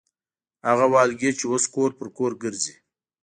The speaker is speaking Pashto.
هغه والګي چې اوس کور پر کور ګرځي.